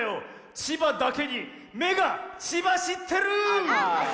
千葉だけにめがチバしってる！